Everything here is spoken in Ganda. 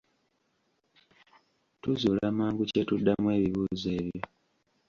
Tuzuula mangu kye tuddamu ebibuuzo ebyo.